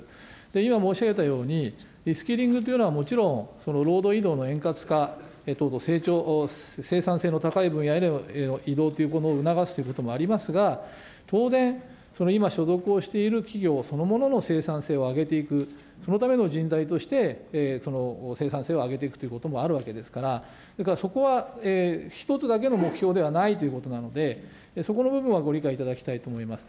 今申し上げたように、リスキリングというのはもちろん、この労働移動の円滑化と生産性の高い分野への移動というものを促すということもありますが、当然、今、所属をしている企業そのものの生産性を上げていく、そのための人材として、生産性を上げていくということもあるわけですから、それからそこは、１つだけの目標ではないということなので、そこの部分はご理解いただきたいと思います。